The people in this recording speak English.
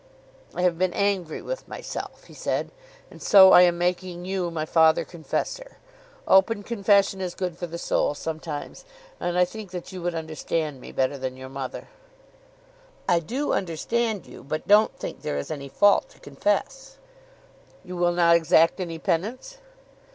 "I have been angry with myself," he said, "and so I am making you my father confessor. Open confession is good for the soul sometimes, and I think that you would understand me better than your mother." "I do understand you; but don't think there is any fault to confess." "You will not exact any penance?"